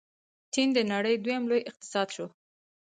چین د نړۍ دویم لوی اقتصاد شو.